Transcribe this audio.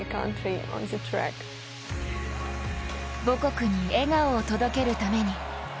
母国に笑顔を届けるために。